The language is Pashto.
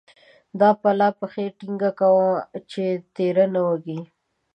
دا پلا پښې ټينګې لګوه چې تېر نه وزې.